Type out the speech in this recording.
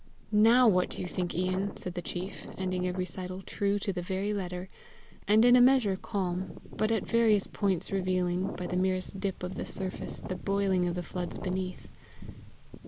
"Now what do you think, Ian?" said the chief, ending a recital true to the very letter, and in a measure calm, but at various points revealing, by the merest dip of the surface, the boiling of the floods beneath.